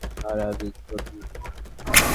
আর আমি জটিল।